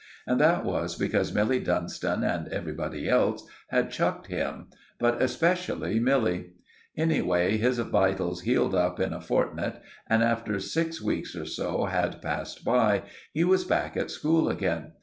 And that was because Milly Dunstan and everybody else had chucked him, but especially Milly. Anyway, his vitals healed up in a fortnight, and after six weeks or so had passed by, he was back at school again.